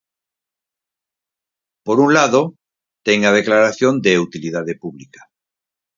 Por un lado, ten a declaración de utilidade pública.